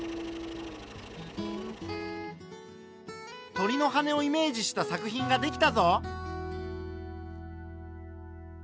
鳥の羽をイメージした作品ができたぞ。